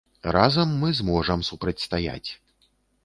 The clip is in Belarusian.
Разам мы зможам супрацьстаяць.